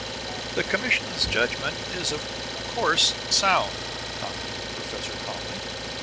"The commission's judgment is, of course, sound," commented the professor calmly.